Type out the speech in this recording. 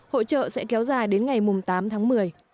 hội trợ sẽ kéo dài đến ngày tám tháng một mươi